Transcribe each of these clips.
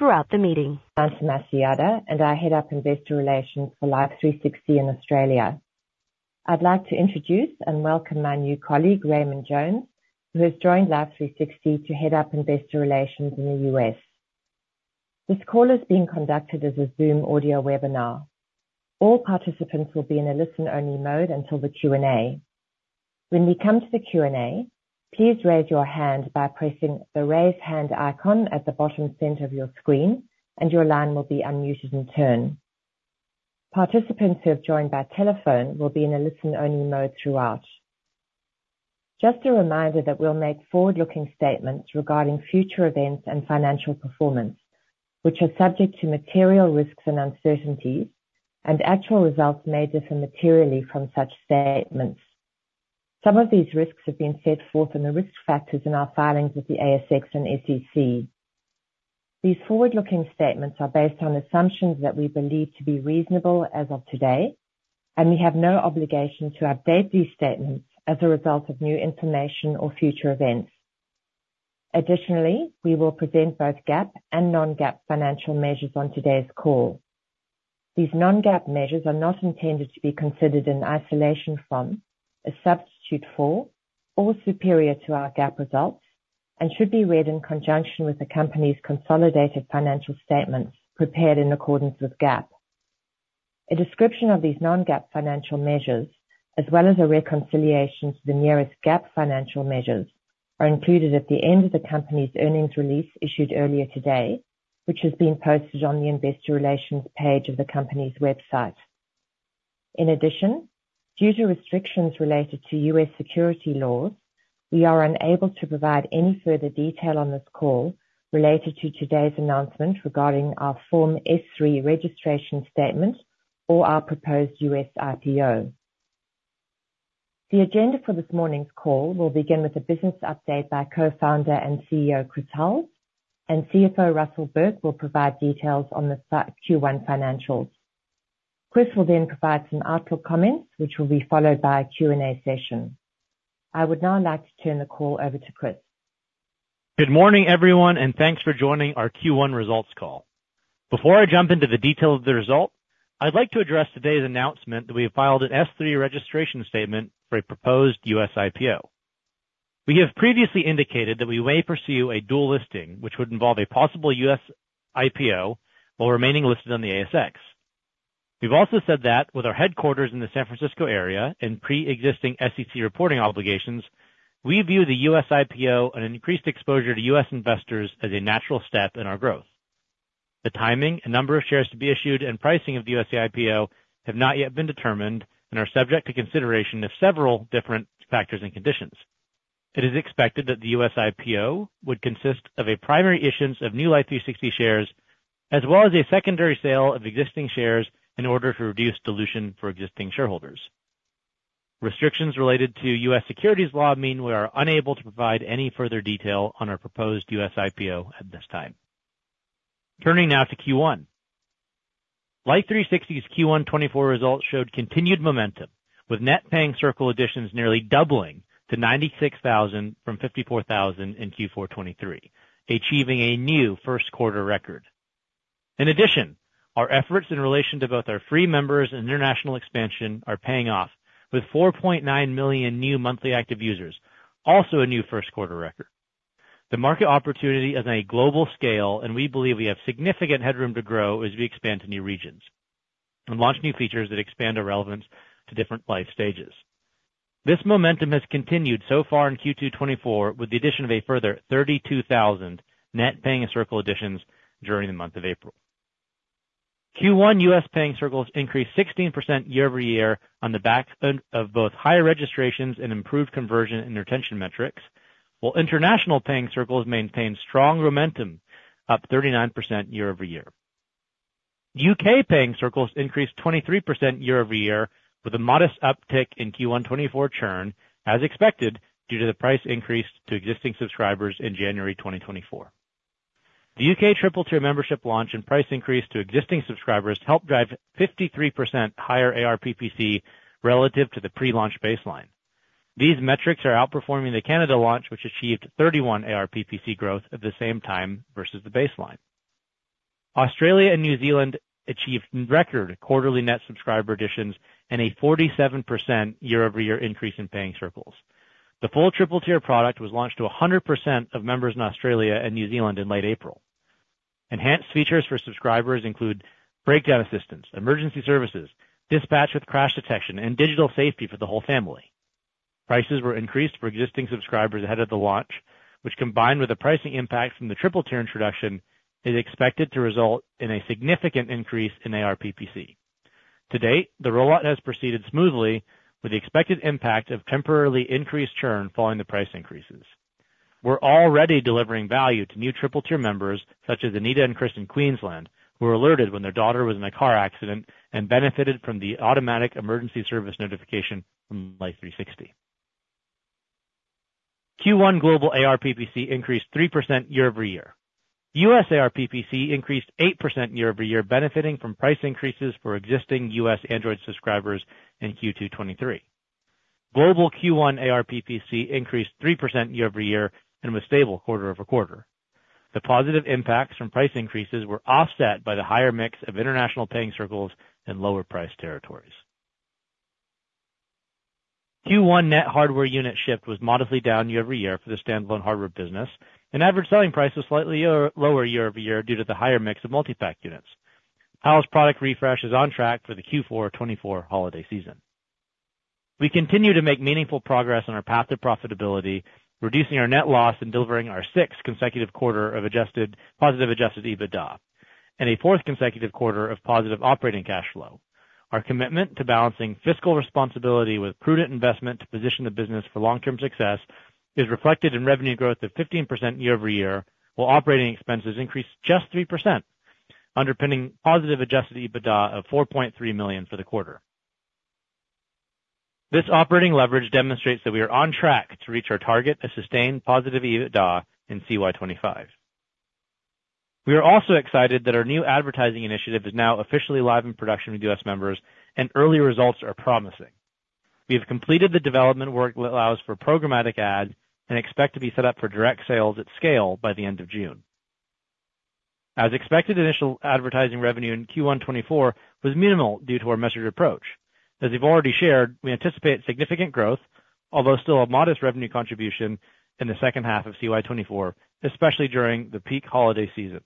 Throughout the meeting. I'm Vanessa Yada, and I head up Investor Relations for Life360 in Australia. I'd like to introduce and welcome my new colleague, Raymond Jones, who has joined Life360 to head up Investor Relations in the U.S. This call is being conducted as a Zoom audio webinar. All participants will be in a listen-only mode until the Q&A. When we come to the Q&A, please raise your hand by pressing the Raise Hand icon at the bottom center of your screen, and your line will be unmuted in turn. Participants who have joined by telephone will be in a listen-only mode throughout. Just a reminder that we'll make forward-looking statements regarding future events and financial performance, which are subject to material risks and uncertainties, and actual results may differ materially from such statements. Some of these risks have been set forth in the risk factors in our filings with the ASX and SEC. These forward-looking statements are based on assumptions that we believe to be reasonable as of today, and we have no obligation to update these statements as a result of new information or future events. Additionally, we will present both GAAP and non-GAAP financial measures on today's call. These non-GAAP measures are not intended to be considered in isolation, from a substitute for, or superior to our GAAP results, and should be read in conjunction with the company's consolidated financial statements prepared in accordance with GAAP. A description of these non-GAAP financial measures, as well as a reconciliation to the nearest GAAP financial measures, are included at the end of the company's earnings release issued earlier today, which has been posted on the Investor Relations page of the company's website. In addition, due to restrictions related to U.S. security laws, we are unable to provide any further detail on this call related to today's announcement regarding our Form S-3 Registration Statement or our proposed U.S. IPO. The agenda for this morning's call will begin with a business update by Co-founder and CEO, Chris Hulls, and CFO, Russell Burke, will provide details on the Q1 financials. Chris will then provide some outlook comments, which will be followed by a Q&A session. I would now like to turn the call over to Chris. Good morning, everyone, and thanks for joining our Q1 results call. Before I jump into the details of the results, I'd like to address today's announcement that we have filed an S-3 registration statement for a proposed U.S. IPO. We have previously indicated that we may pursue a dual listing, which would involve a possible U.S. IPO while remaining listed on the ASX. We've also said that with our headquarters in the San Francisco area and pre-existing SEC reporting obligations, we view the U.S. IPO and increased exposure to U.S. investors as a natural step in our growth. The timing and number of shares to be issued and pricing of the U.S. IPO have not yet been determined and are subject to consideration of several different factors and conditions. It is expected that the U.S. IPO would consist of a primary issuance of new Life360 shares, as well as a secondary sale of existing shares in order to reduce dilution for existing shareholders. Restrictions related to U.S. securities law mean we are unable to provide any further detail on our proposed U.S. IPO at this time. Turning now to Q1. Life360's Q1 2024 results showed continued momentum, with net paying circle additions nearly doubling to 96,000 from 54,000 in Q4 2023, achieving a new first quarter record. In addition, our efforts in relation to both our free members and international expansion are paying off, with 4.9 million new monthly active users, also a new first quarter record. The market opportunity is on a global scale, and we believe we have significant headroom to grow as we expand to new regions and launch new features that expand our relevance to different life stages. This momentum has continued so far in Q2 2024, with the addition of a further 32,000 net paying circle additions during the month of April. Q1 U.S. paying circles increased 16% year-over-year on the back of both higher registrations and improved conversion and retention metrics, while international paying circles maintained strong momentum, up 39% year-over-year. U.K. paying circles increased 23% year-over-year, with a modest uptick in Q1 2024 churn, as expected, due to the price increase to existing subscribers in January 2024. The U.K. triple-tier membership launch and price increase to existing subscribers helped drive 53% higher ARPPC relative to the pre-launch baseline. These metrics are outperforming the Canada launch, which achieved 31 ARPPC growth at the same time versus the baseline. Australia and New Zealand achieved record quarterly net subscriber additions and a 47% year-over-year increase in paying circles. The full triple-tier product was launched to 100% of members in Australia and New Zealand in late April. Enhanced features for subscribers include breakdown assistance, emergency services, dispatch with crash detection, and digital safety for the whole family. Prices were increased for existing subscribers ahead of the launch, which, combined with the pricing impact from the triple-tier introduction, is expected to result in a significant increase in ARPPC. To date, the rollout has proceeded smoothly, with the expected impact of temporarily increased churn following the price increases. We're already delivering value to new triple-tier members, such as Anita and Chris in Queensland, who were alerted when their daughter was in a car accident and benefited from the automatic emergency service notification from Life360. Q1 global ARPPC increased 3% year-over-year. U.S. ARPPC increased 8% year-over-year, benefiting from price increases for existing U.S. Android subscribers in Q2 2023.... Global Q1 ARPPC increased 3% year-over-year and was stable quarter-over-quarter. The positive impacts from price increases were offset by the higher mix of international paying circles and lower price territories. Q1 net hardware unit shift was modestly down year-over-year for the standalone hardware business, and average selling price was slightly lower year-over-year due to the higher mix of multi-pack units. Tile's product refresh is on track for the Q4 2024 holiday season. We continue to make meaningful progress on our path to profitability, reducing our net loss and delivering our sixth consecutive quarter of adjusted positive adjusted EBITDA, and a fourth consecutive quarter of positive operating cash flow. Our commitment to balancing fiscal responsibility with prudent investment to position the business for long-term success is reflected in revenue growth of 15% year-over-year, while operating expenses increased just 3%, underpinning positive adjusted EBITDA of $4.3 million for the quarter. This operating leverage demonstrates that we are on track to reach our target, a sustained positive EBITDA in CY 2025. We are also excited that our new advertising initiative is now officially live in production with U.S. members, and early results are promising. We have completed the development work that allows for programmatic ads and expect to be set up for direct sales at scale by the end of June. As expected, initial advertising revenue in Q1 2024 was minimal due to our measured approach. As we've already shared, we anticipate significant growth, although still a modest revenue contribution in the second half of CY 2024, especially during the peak holiday season.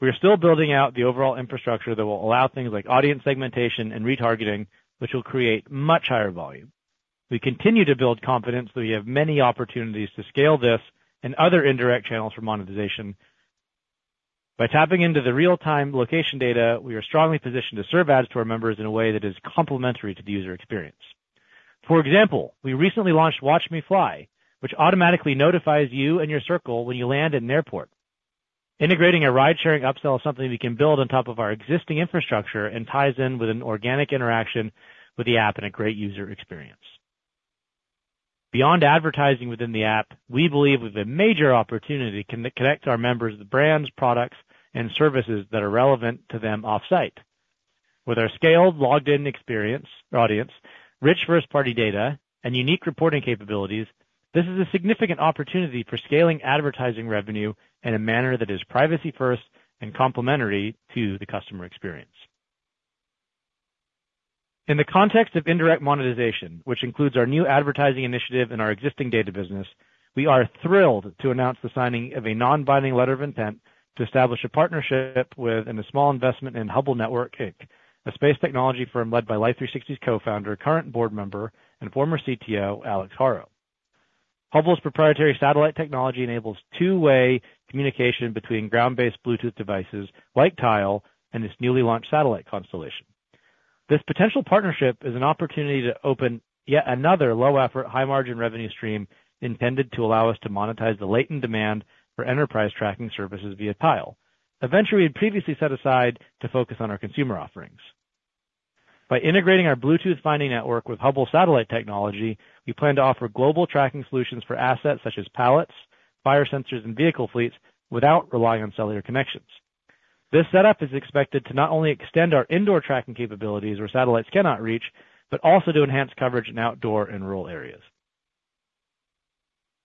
We are still building out the overall infrastructure that will allow things like audience segmentation and retargeting, which will create much higher volume. We continue to build confidence that we have many opportunities to scale this and other indirect channels for monetization. By tapping into the real-time location data, we are strongly positioned to serve ads to our members in a way that is complementary to the user experience. For example, we recently launched Watch Me Fly, which automatically notifies you and your circle when you land in an airport. Integrating a ride-sharing upsell is something we can build on top of our existing infrastructure and ties in with an organic interaction with the app and a great user experience. Beyond advertising within the app, we believe we have a major opportunity to connect our members to brands, products, and services that are relevant to them offsite. With our scaled, logged-in experience audience, rich first-party data, and unique reporting capabilities, this is a significant opportunity for scaling advertising revenue in a manner that is privacy first and complementary to the customer experience. In the context of indirect monetization, which includes our new advertising initiative and our existing data business, we are thrilled to announce the signing of a non-binding letter of intent to establish a partnership with, and a small investment in Hubble Network Inc., a space technology firm led by Life360's co-founder, current board member, and former CTO, Alex Haro. Hubble's proprietary satellite technology enables two-way communication between ground-based Bluetooth devices like Tile and its newly launched satellite constellation. This potential partnership is an opportunity to open yet another low effort, high margin revenue stream, intended to allow us to monetize the latent demand for enterprise tracking services via Tile. Eventually, we had previously set aside to focus on our consumer offerings. By integrating our Bluetooth finding network with Hubble satellite technology, we plan to offer global tracking solutions for assets such as pallets, fire sensors, and vehicle fleets without relying on cellular connections. This setup is expected to not only extend our indoor tracking capabilities, where satellites cannot reach, but also to enhance coverage in outdoor and rural areas.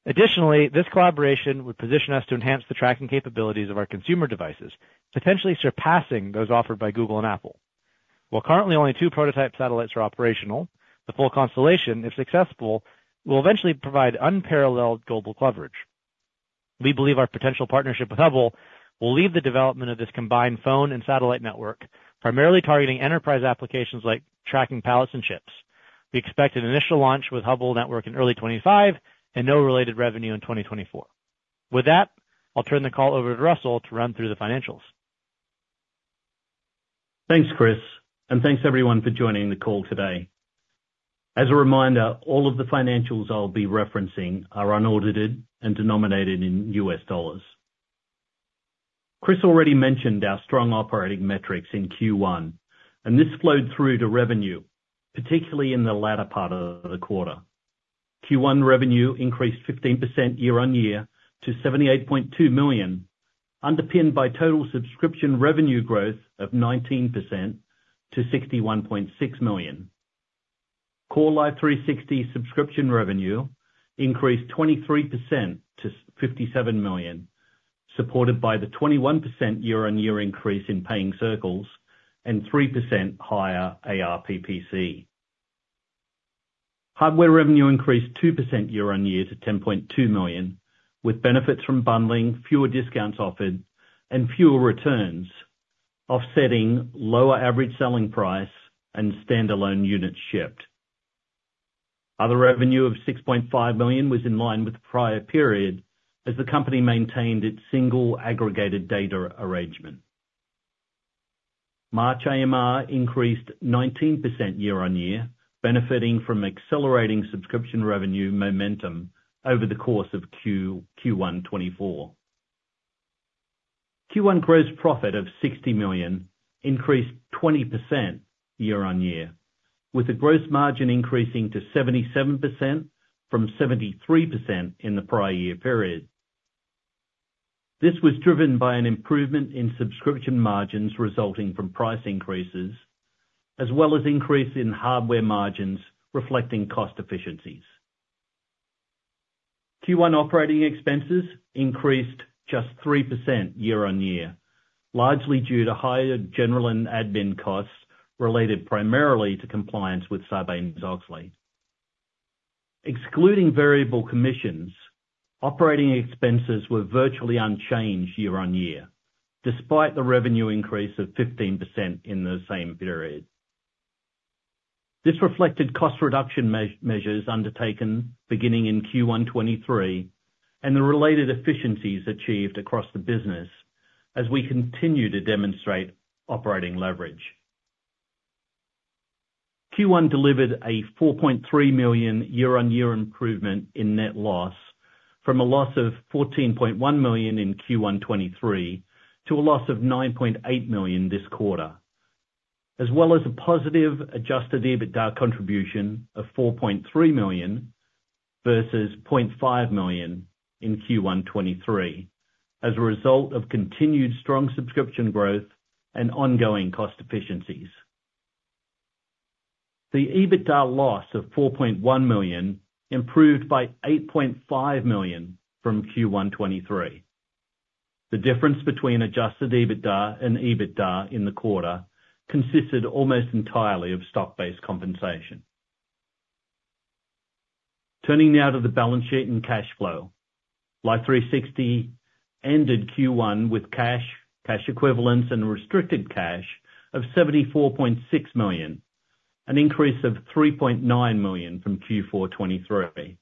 Additionally, this collaboration would position us to enhance the tracking capabilities of our consumer devices, potentially surpassing those offered by Google and Apple. While currently only two prototype satellites are operational, the full constellation, if successful, will eventually provide unparalleled global coverage. We believe our potential partnership with Hubble will lead the development of this combined phone and satellite network, primarily targeting enterprise applications like tracking pallets and ships. We expect an initial launch with Hubble Network in early 2025 and no related revenue in 2024. With that, I'll turn the call over to Russell to run through the financials. Thanks, Chris, and thanks everyone for joining the call today. As a reminder, all of the financials I'll be referencing are unaudited and denominated in U.S. dollars. Chris already mentioned our strong operating metrics in Q1, and this flowed through to revenue, particularly in the latter part of the quarter. Q1 revenue increased 15% year-over-year to $78.2 million, underpinned by total subscription revenue growth of 19% to $61.6 million. Core Life360 subscription revenue increased 23% to $57 million, supported by the 21% year-over-year increase in paying circles and 3% higher ARPPC. Hardware revenue increased 2% year-over-year to $10.2 million, with benefits from bundling, fewer discounts offered, and fewer returns, offsetting lower average selling price and standalone units shipped. Other revenue of $6.5 million was in line with the prior period as the company maintained its single aggregated data arrangement. March AMR increased 19% year-on-year, benefiting from accelerating subscription revenue momentum over the course of Q1 2024. Q1 gross profit of $60 million increased 20% year-on-year, with the gross margin increasing to 77% from 73% in the prior year period....This was driven by an improvement in subscription margins resulting from price increases, as well as increase in hardware margins, reflecting cost efficiencies. Q1 operating expenses increased just 3% year-on-year, largely due to higher general and admin costs related primarily to compliance with Sarbanes-Oxley. Excluding variable commissions, operating expenses were virtually unchanged year-on-year, despite the revenue increase of 15% in the same period. This reflected cost reduction measures undertaken beginning in Q1 2023, and the related efficiencies achieved across the business as we continue to demonstrate operating leverage. Q1 delivered a $4.3 million year-on-year improvement in net loss, from a loss of $14.1 million in Q1 2023, to a loss of $9.8 million this quarter, as well as a positive adjusted EBITDA contribution of $4.3 million versus $0.5 million in Q1 2023, as a result of continued strong subscription growth and ongoing cost efficiencies. The EBITDA loss of $4.1 million improved by $8.5 million from Q1 2023. The difference between adjusted EBITDA and EBITDA in the quarter consisted almost entirely of stock-based compensation. Turning now to the balance sheet and cash flow. Life360 ended Q1 with cash, cash equivalents and restricted cash of $74.6 million, an increase of $3.9 million from Q4 2023.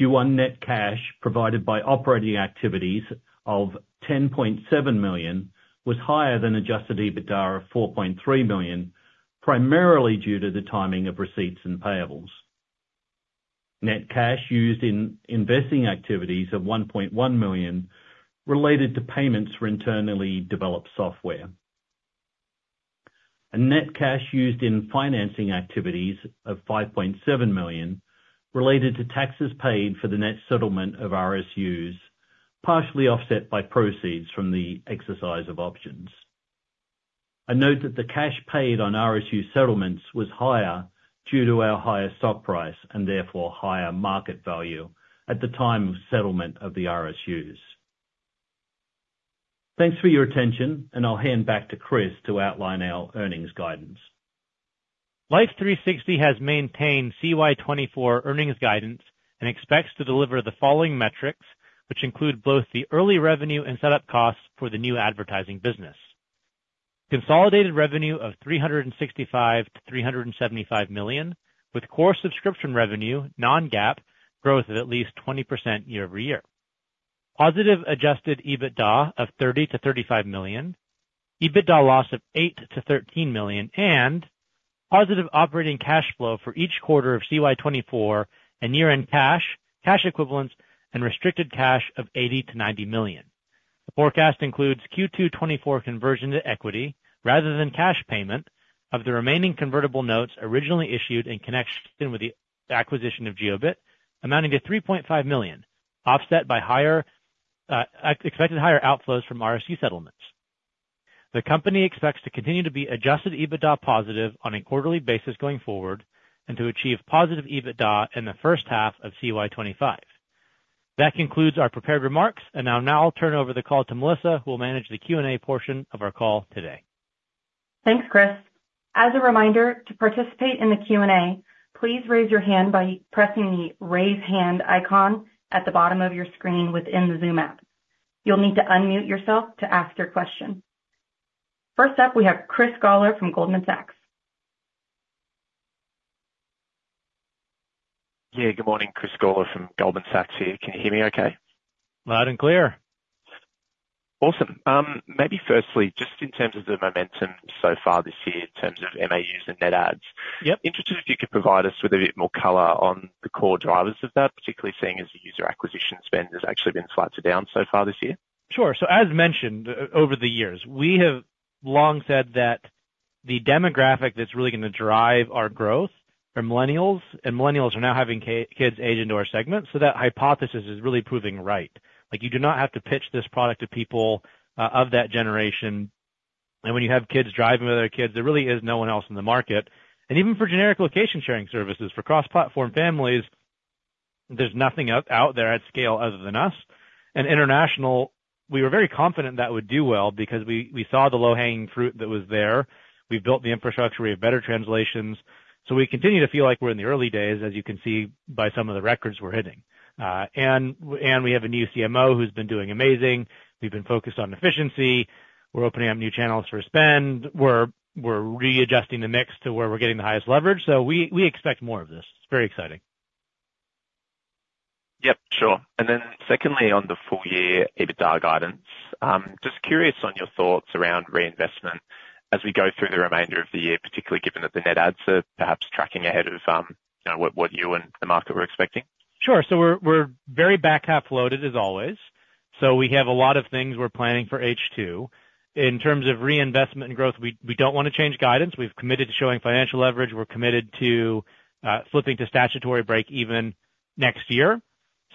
Q1 net cash provided by operating activities of $10.7 million was higher than adjusted EBITDA of $4.3 million, primarily due to the timing of receipts and payables. Net cash used in investing activities of $1.1 million, related to payments for internally developed software. Net cash used in financing activities of $5.7 million, related to taxes paid for the net settlement of RSUs, partially offset by proceeds from the exercise of options. I note that the cash paid on RSU settlements was higher due to our higher stock price, and therefore higher market value at the time of settlement of the RSUs. Thanks for your attention, and I'll hand back to Chris to outline our earnings guidance. Life360 has maintained CY 2024 earnings guidance and expects to deliver the following metrics, which include both the early revenue and setup costs for the new advertising business. Consolidated revenue of $365 million-$375 million, with core subscription revenue, non-GAAP, growth of at least 20% year-over-year. Positive adjusted EBITDA of $30 million-$35 million, EBITDA loss of $8 million-$13 million, and positive operating cash flow for each quarter of CY 2024 and year-end cash, cash equivalents and restricted cash of $80 million-$90 million. The forecast includes Q2 2024 conversion to equity rather than cash payment of the remaining convertible notes originally issued in connection with the acquisition of Jiobit, amounting to $3.5 million, offset by higher expected higher outflows from RSU settlements. The company expects to continue to be adjusted EBITDA positive on a quarterly basis going forward, and to achieve positive EBITDA in the first half of CY 2025. That concludes our prepared remarks, and I'll now turn over the call to Melissa, who will manage the Q&A portion of our call today. Thanks, Chris. As a reminder, to participate in the Q&A, please raise your hand by pressing the Raise Hand icon at the bottom of your screen within the Zoom app. You'll need to unmute yourself to ask your question. First up, we have Chris Gawler from Goldman Sachs. Yeah, good morning, Chris Gawler from Goldman Sachs here. Can you hear me okay? Loud and clear. Awesome. Maybe firstly, just in terms of the momentum so far this year in terms of MAUs and net adds- Yep. Interested if you could provide us with a bit more color on the core drivers of that, particularly seeing as the user acquisition spend has actually been slightly down so far this year? Sure. So as mentioned, over the years, we have long said that the demographic that's really gonna drive our growth are millennials, and millennials are now having kids age into our segment, so that hypothesis is really proving right. Like, you do not have to pitch this product to people of that generation. And when you have kids driving with other kids, there really is no one else in the market. And even for generic location sharing services, for cross-platform families, there's nothing out there at scale other than us. In international, we were very confident that would do well because we saw the low-hanging fruit that was there. We've built the infrastructure, we have better translations. So we continue to feel like we're in the early days, as you can see by some of the records we're hitting. And we have a new CMO who's been doing amazing. We've been focused on efficiency. We're opening up new channels for spend. We're readjusting the mix to where we're getting the highest leverage, so we expect more of this. It's very exciting. Yep, sure. And then secondly, on the full year EBITDA guidance, just curious on your thoughts around reinvestment as we go through the remainder of the year, particularly given that the net adds are perhaps tracking ahead of, you know, what you and the market were expecting. Sure. So we're very back-half loaded, as always, so we have a lot of things we're planning for H2. In terms of reinvestment and growth, we don't want to change guidance. We've committed to showing financial leverage. We're committed to flipping to statutory break even next year.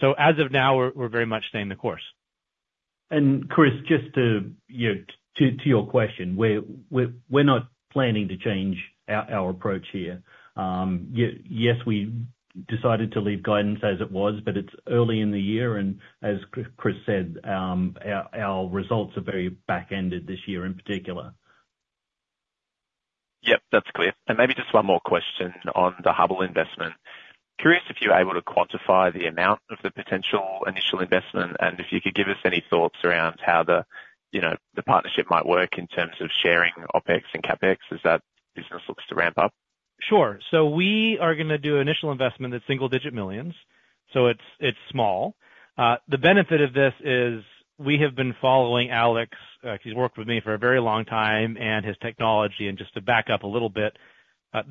So as of now, we're very much staying the course. And Chris, just to your question, we're not planning to change our approach here. Yes, we decided to leave guidance as it was, but it's early in the year, and as Chris said, our results are very back-ended this year in particular. Yep, that's clear. Maybe just one more question on the Hubble investment. Curious if you're able to quantify the amount of the potential initial investment, and if you could give us any thoughts around how the, you know, the partnership might work in terms of sharing OpEx and CapEx as that business looks to ramp up? Sure. So we are gonna do initial investment that's $1-$9 million, so it's small. The benefit of this is we have been following Alex. He's worked with me for a very long time, and his technology, and just to back up a little bit,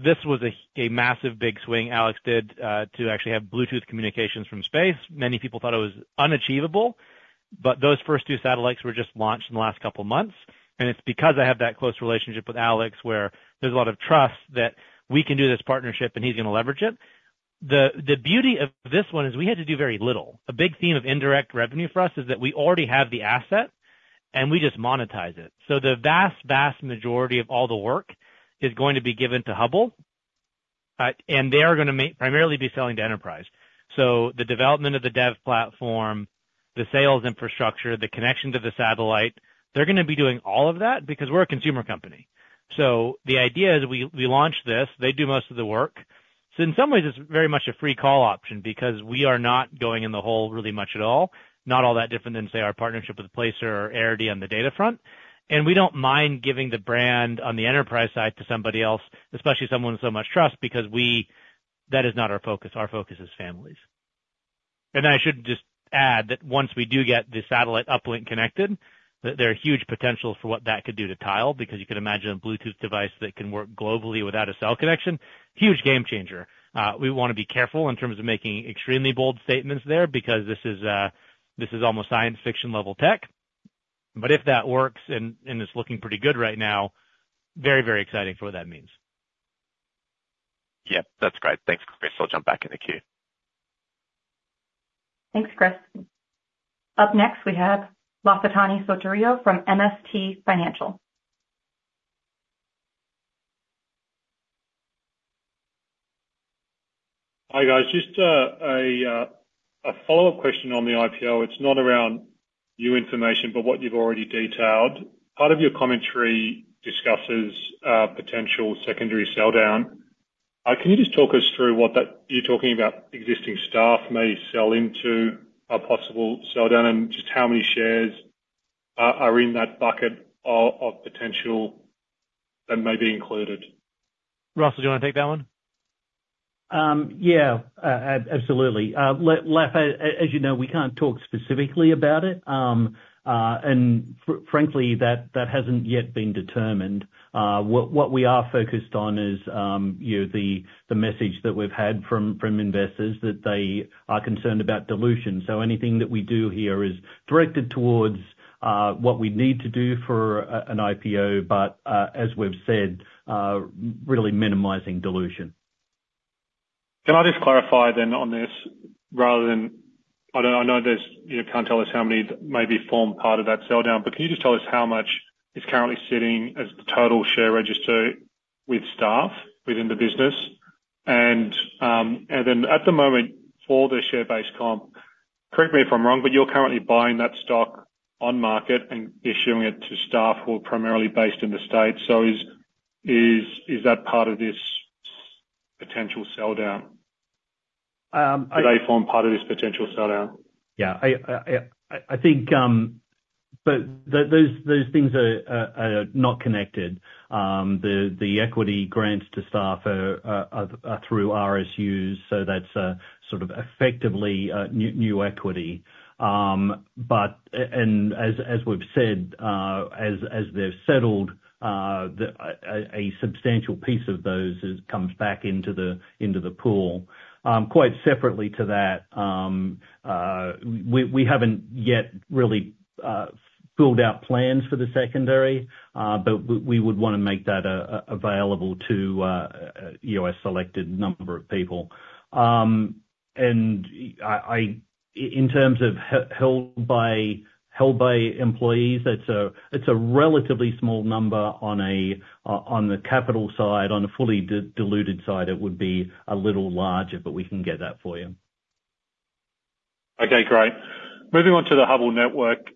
this was a massive, big swing Alex did, to actually have Bluetooth communications from space. Many people thought it was unachievable, but those first 2 satellites were just launched in the last couple months. And it's because I have that close relationship with Alex, where there's a lot of trust, that we can do this partnership, and he's gonna leverage it. The beauty of this one is we had to do very little. A big theme of indirect revenue for us, is that we already have the asset, and we just monetize it. So the vast, vast majority of all the work is going to be given to Hubble, and they are gonna primarily be selling to enterprise. So the development of the dev platform, the sales infrastructure, the connection to the satellite, they're gonna be doing all of that because we're a consumer company. So the idea is we, we launch this, they do most of the work. So in some ways, it's very much a free call option, because we are not going in the hole really much at all. Not all that different than, say, our partnership with Placer or Arity on the data front. And we don't mind giving the brand on the enterprise side to somebody else, especially someone with so much trust, because we... That is not our focus. Our focus is families. I should just add, that once we do get the satellite uplink connected, that there are huge potentials for what that could do to Tile, because you can imagine a Bluetooth device that can work globally without a cell connection, huge game changer. We wanna be careful in terms of making extremely bold statements there, because this is, this is almost science fiction level tech, but if that works, and it's looking pretty good right now, very, very exciting for what that means. Yep, that's great. Thanks, Chris. I'll jump back in the queue. Thanks, Chris. Up next, we have Lafitani Sotiriou from MST Financial. Hi, guys. Just a follow-up question on the IPO. It's not around new information, but what you've already detailed. Part of your commentary discusses potential secondary sell down. Can you just talk us through what that— You're talking about existing staff may sell into a possible sell down, and just how many shares are in that bucket of potential that may be included? Russell, do you want to take that one? Yeah. Absolutely. Lafitani, as you know, we can't talk specifically about it. And frankly, that hasn't yet been determined. What we are focused on is, you know, the message that we've had from investors, that they are concerned about dilution. So anything that we do here is directed towards what we need to do for an IPO, but as we've said, really minimizing dilution. Can I just clarify then on this, rather than... I know, I know there's, you can't tell us how many may form part of that sell down, but can you just tell us how much is currently sitting as the total share register with staff within the business? And, and then at the moment, for the share-based comp, correct me if I'm wrong, but you're currently buying that stock on-market and issuing it to staff who are primarily based in the States. So is that part of this potential sell down? Um, I- Do they form part of this potential sell down? Yeah, I think, but those things are not connected. The equity grants to staff are through RSUs, so that's sort of effectively new equity. But as we've said, as they've settled, a substantial piece of those comes back into the pool. Quite separately to that, we haven't yet really filled out plans for the secondary, but we would wanna make that available to, you know, a selected number of people. And in terms of held by employees, it's a relatively small number on the capital side. On a fully diluted side, it would be a little larger, but we can get that for you. Okay, great. Moving on to the Hubble network.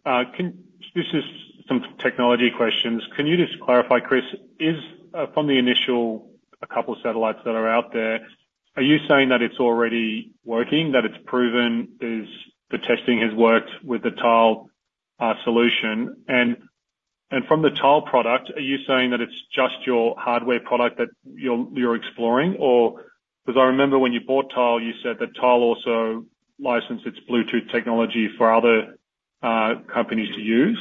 This is some technology questions. Can you just clarify, Chris, is from the initial, a couple satellites that are out there, are you saying that it's already working? That it's proven? Is the testing has worked with the Tile solution? And from the Tile product, are you saying that it's just your hardware product that you're exploring, or? Because I remember when you bought Tile, you said that Tile also licensed its Bluetooth technology for other companies to use.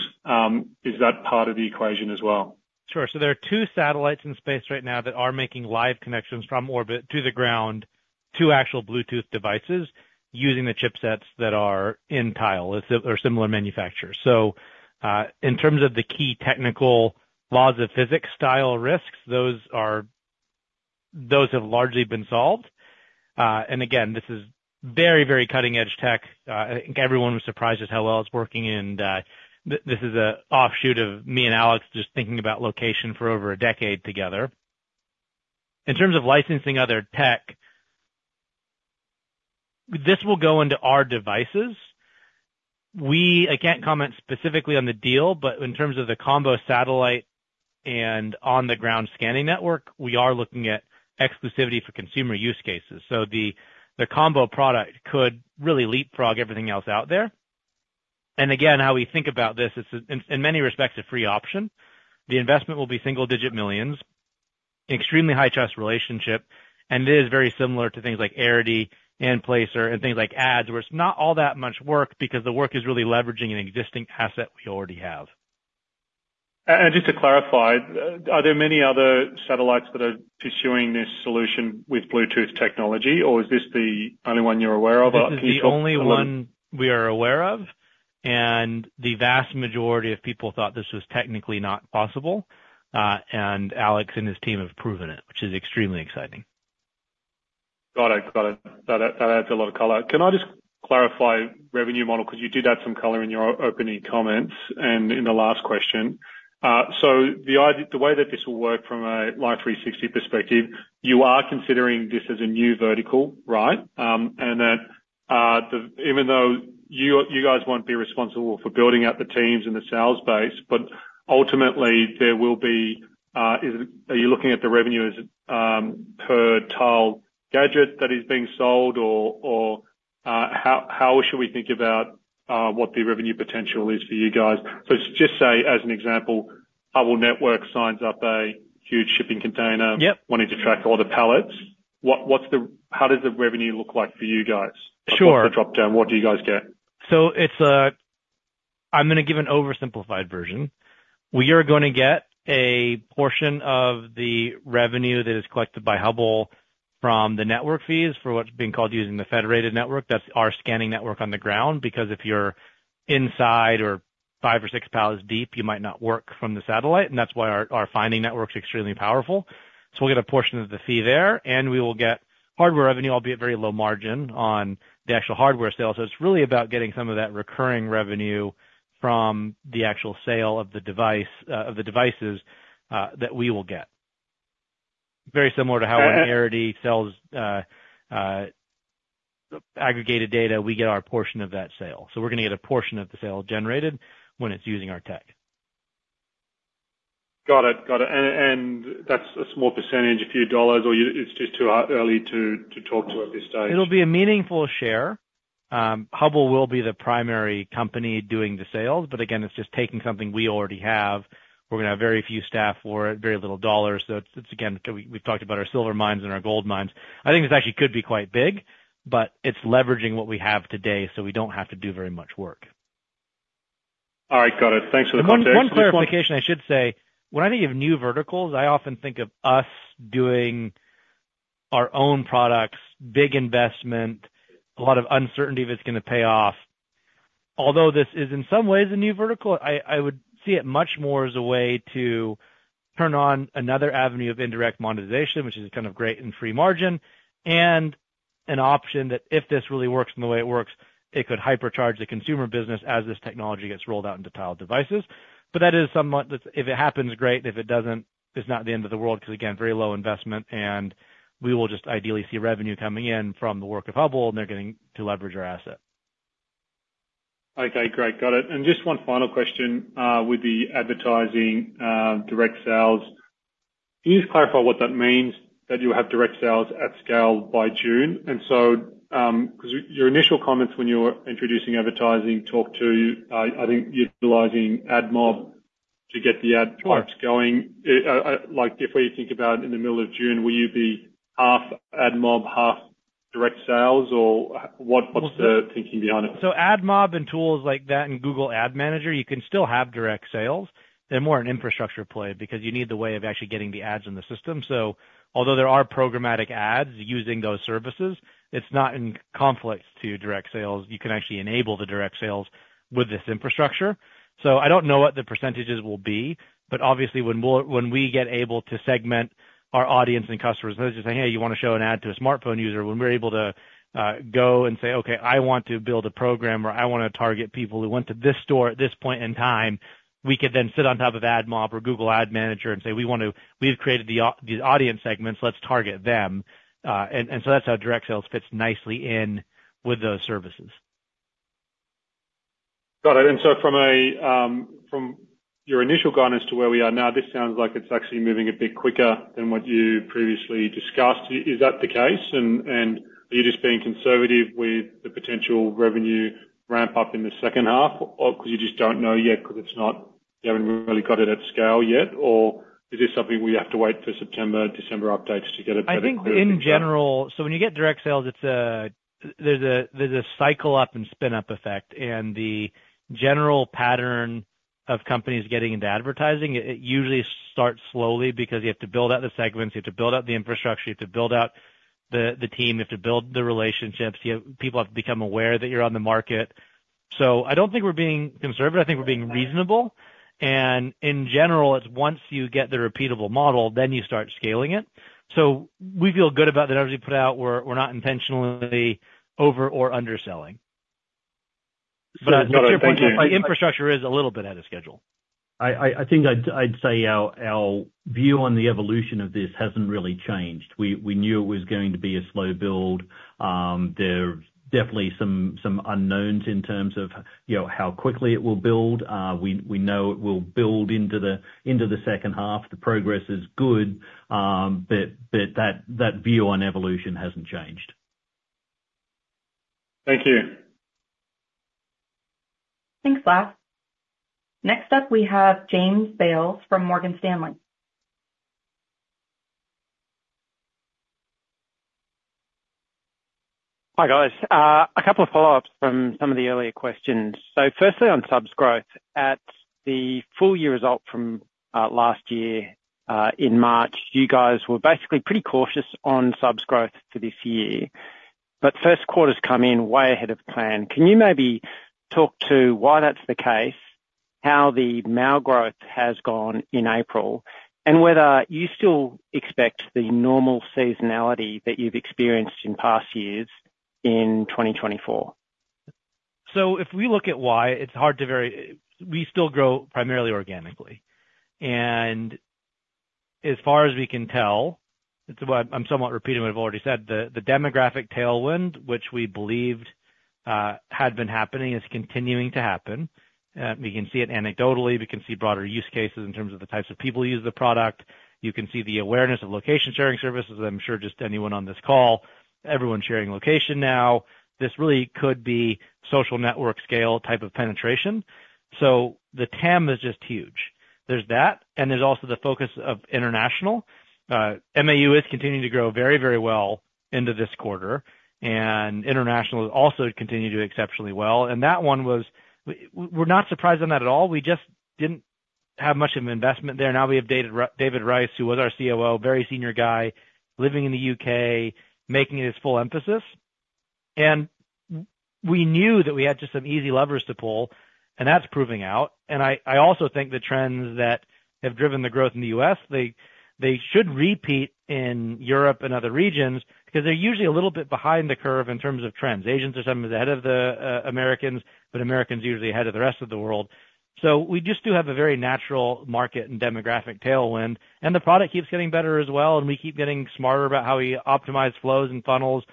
Is that part of the equation as well? Sure. So there are two satellites in space right now that are making live connections from orbit to the ground, to actual Bluetooth devices, using the chipsets that are in Tile or similar manufacturers. So, in terms of the key technical laws of physics-style risks, those have largely been solved. And again, this is very, very cutting-edge tech. I think everyone was surprised at how well it's working, and this is an offshoot of me and Alex just thinking about location for over a decade together. In terms of licensing other tech, this will go into our devices. I can't comment specifically on the deal, but in terms of the combo satellite and on-the-ground scanning network, we are looking at exclusivity for consumer use cases. So the combo product could really leapfrog everything else out there. And again, how we think about this is, in many respects, a free option. The investment will be $1 million-$9 million, extremely high trust relationship, and it is very similar to things like Arity and Placer and things like ads, where it's not all that much work because the work is really leveraging an existing asset we already have. Just to clarify, are there many other satellites that are pursuing this solution with Bluetooth technology, or is this the only one you're aware of? Or can you talk a little- This is the only one we are aware of, and the vast majority of people thought this was technically not possible. Alex and his team have proven it, which is extremely exciting. Got it. Got it. That, that adds a lot of color. Can I just clarify revenue model? Because you did add some color in your opening comments and in the last question. So the idea- the way that this will work from a Life360 perspective, you are considering this as a new vertical, right? And that, even though you, you guys won't be responsible for building out the teams and the sales base, but ultimately, there will be... Is it, are you looking at the revenue as, per Tile gadget that is being sold or, or, how, how should we think about, what the revenue potential is for you guys? So just say, as an example, Hubble Network signs up a huge shipping container- Yep. wanting to track all the pallets. What, what's the... How does the revenue look like for you guys? Sure. What's the drop-down? What do you guys get? So it's, I'm gonna give an oversimplified version. We are gonna get a portion of the revenue that is collected by Hubble from the network fees for what's being called using the federated network. That's our scanning network on the ground, because if you're inside or five or six pallets deep, you might not work from the satellite, and that's why our finding network's extremely powerful. So we'll get a portion of the fee there, and we will get hardware revenue, albeit very low margin, on the actual hardware sale. So it's really about getting some of that recurring revenue from the actual sale of the device, of the devices, that we will get. Very similar to how- Uh- Arity sells aggregated data, we get our portion of that sale. So we're gonna get a portion of the sale generated when it's using our tech. Got it, got it. And that's a small percentage, a few dollars, or you... it's just too early to talk to at this stage? It'll be a meaningful share. Hubble will be the primary company doing the sales, but again, it's just taking something we already have. We're gonna have very few staff for it, very little dollars, so it's again, we've talked about our silver mines and our gold mines. I think this actually could be quite big, but it's leveraging what we have today, so we don't have to do very much work. All right. Got it. Thanks for the context. Just one- One clarification I should say: When I think of new verticals, I often think of us doing our own products, big investment, a lot of uncertainty if it's gonna pay off. Although this is in some ways a new vertical, I would see it much more as a way to turn on another avenue of indirect monetization, which is kind of great and free margin, and an option that if this really works in the way it works, it could hypercharge the consumer business as this technology gets rolled out into Tile devices. But that is somewhat, that's... If it happens, great, and if it doesn't, it's not the end of the world, because, again, very low investment, and we will just ideally see revenue coming in from the work of Hubble, and they're getting to leverage our asset. Okay, great. Got it. And just one final question, with the advertising, direct sales. Can you just clarify what that means, that you have direct sales at scale by June? And so, 'cause your initial comments when you were introducing advertising talked to, I think, utilizing AdMob to get the ad- Sure Types going. Like, if when you think about in the middle of June, will you be half AdMob, half direct sales, or what, what's the thinking behind it? So AdMob and tools like that and Google Ad Manager, you can still have direct sales. They're more an infrastructure play because you need the way of actually getting the ads in the system. So although there are programmatic ads using those services, it's not in conflict to direct sales. You can actually enable the direct sales with this infrastructure. So I don't know what the percentages will be, but obviously, when more, when we get able to segment our audience and customers, versus just saying, "Hey, you wanna show an ad to a smartphone user?" When we're able to go and say, "Okay, I want to build a program, or I wanna target people who went to this store at this point in time," we could then sit on top of AdMob or Google Ad Manager and say, "We want to... We've created these audience segments, let's target them. So that's how direct sales fits nicely in with those services. Got it. And so from a, from your initial guidance to where we are now, this sounds like it's actually moving a bit quicker than what you previously discussed. Is that the case? And are you just being conservative with the potential revenue ramp-up in the second half, or because you just don't know yet, because it's not, you haven't really got it at scale yet? Or is this something we have to wait for September, December updates to get a better view? I think in general... So when you get direct sales, it's, there's a, there's a cycle-up and spin-up effect. And the general pattern of companies getting into advertising, it usually starts slowly, because you have to build out the segments, you have to build out the infrastructure, you have to build out the, the team, you have to build the relationships. People have to become aware that you're on the market.... So I don't think we're being conservative, I think we're being reasonable. And in general, it's once you get the repeatable model, then you start scaling it. So we feel good about the numbers we put out. We're, we're not intentionally over or underselling. But, no, thank you. Our infrastructure is a little bit ahead of schedule. I think I'd say our view on the evolution of this hasn't really changed. We knew it was going to be a slow build. There's definitely some unknowns in terms of, you know, how quickly it will build. We know it will build into the second half. The progress is good, but that view on evolution hasn't changed. Thank you. Thanks, Laf. Next up, we have James Bell from Morgan Stanley. Hi, guys. A couple of follow-ups from some of the earlier questions. Firstly, on subs growth, at the full year result from last year, in March, you guys were basically pretty cautious on subs growth for this year, but first quarter's come in way ahead of plan. Can you maybe talk to why that's the case, how the MAU growth has gone in April, and whether you still expect the normal seasonality that you've experienced in past years in 2024? So if we look at why, it's hard to. We still grow primarily organically, and as far as we can tell, it's what... I'm somewhat repeating what I've already said, the demographic tailwind, which we believed had been happening, is continuing to happen. We can see it anecdotally, we can see broader use cases in terms of the types of people who use the product. You can see the awareness of location-sharing services. I'm sure, just anyone on this call, everyone's sharing location now. This really could be social network scale type of penetration, so the TAM is just huge. There's that, and there's also the focus of international. MAU is continuing to grow very, very well into this quarter, and international has also continued to do exceptionally well. And that one, we're not surprised on that at all. We just didn't have much of an investment there. Now, we have David Rice, who was our COO, very senior guy, living in the U.K., making it his full emphasis. We knew that we had just some easy levers to pull, and that's proving out. And I also think the trends that have driven the growth in the U.S., they should repeat in Europe and other regions, because they're usually a little bit behind the curve in terms of trends. Asians are sometimes ahead of the Americans, but Americans are usually ahead of the rest of the world. So we just do have a very natural market and demographic tailwind, and the product keeps getting better as well, and we keep getting smarter about how we optimize flows and funnels.